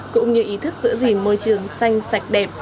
cũng như ý thức giữ gìn môi trường xanh sạch đẹp